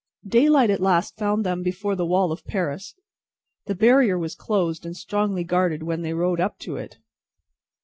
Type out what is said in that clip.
Daylight at last found them before the wall of Paris. The barrier was closed and strongly guarded when they rode up to it.